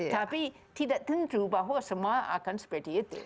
tapi tidak tentu bahwa semua akan seperti itu